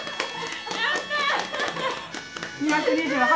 ２２８？